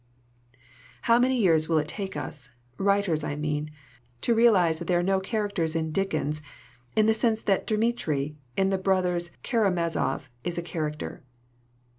"How many years will it take us writers, I mean to realize that there are no characters in Dickens in the sense that Dmitri in The Brothers Caramazov is a character?